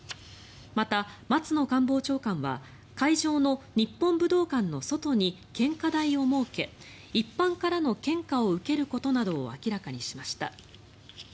また、松野官房長官は会場の日本武道館の外に献花台を設け一般からの献花を受けることなどを明らかにしました。